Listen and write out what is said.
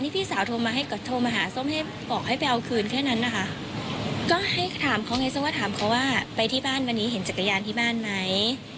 เพราะว่าไปที่บ้านวันนี้เห็นจักรยานที่บ้านไหม